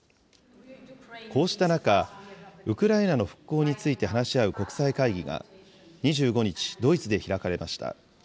こうした中、ウクライナの復興について話し合う国際会議が２５日、ドイツで開かれました。